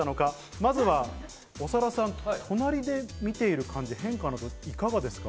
まずは長田さん、隣で見ている感じ、変化などいかがですか？